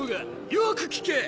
よく聞け！